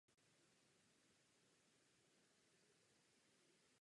Hráz je orientována severozápadním směrem a navazuje na Pustý rybník.